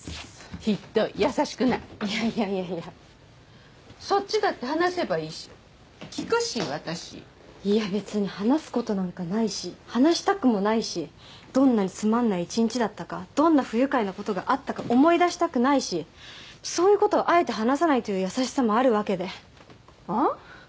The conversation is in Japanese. ひっどい優しくないいやいやいやいやそっちだって話せばいいし聞くし私いや別に話すことなんかないし話したくもないしどんなにつまんない一日だったかどんな不愉快なことがあったか思い出したくないしそういうことをあえて話さないという優しさもあるわけでああ？